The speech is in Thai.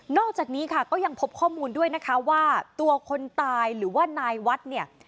อกจากนี้ค่ะก็ยังพบข้อมูลด้วยนะคะว่าตัวคนตายหรือว่านายวัดเนี่ย